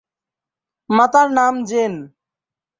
মাতার নাম জেন।